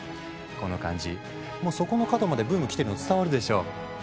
この感じもうそこの角までブーム来てるの伝わるでしょ？